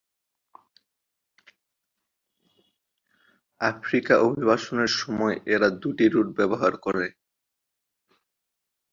আফ্রিকায় অভিবাসনের সময়ে এরা দুটি রুট ব্যবহার করে।